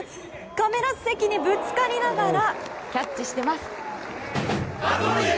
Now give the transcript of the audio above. カメラ席にぶつかりながらキャッチしています。